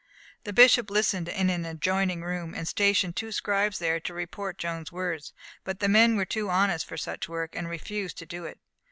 The bishop listened in an adjoining room, and stationed two scribes there to report Joan's words; but the men were too honest for such work, and refused to do it.